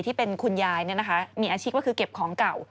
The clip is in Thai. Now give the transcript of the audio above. ที่เป็นคุณยายเนี่ยนะคะมีอาชิกว่าคือเก็บของเก่า